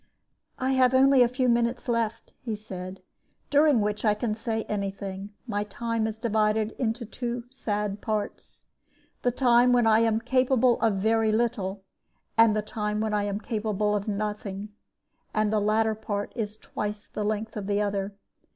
"I have only a few minutes left," he said, "during which I can say any thing. My time is divided into two sad parts: the time when I am capable of very little, and the time when I am capable of nothing; and the latter part is twice the length of the other.